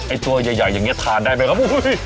ตัวใหญ่อย่างนี้ทานได้ไหมครับ